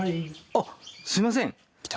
あっすいません。